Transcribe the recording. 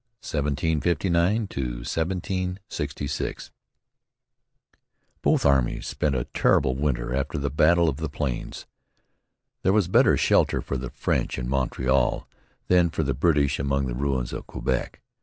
CHAPTER II GENERAL MURRAY 1759 1766 Both armies spent a terrible winter after the Battle of the Plains. There was better shelter for the French in Montreal than for the British among the ruins of Quebec.